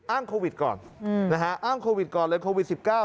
อ้างโควิดก่อนนะฮะอ้างโควิดก่อนเลยโควิดสิบเก้า